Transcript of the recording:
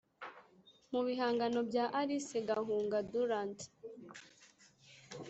Mu bihangano bya Alice Gahunga Durand